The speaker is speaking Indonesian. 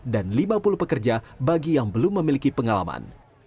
dan lima puluh pekerja bagi yang belum memiliki pengalaman